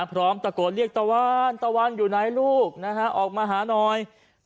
พร้อมตะโกนเรียกตะวันตะวันอยู่ไหนลูกออกมาหาหน่อย